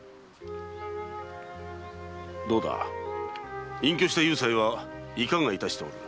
どうだ隠居した幽斎はいかが致しておる？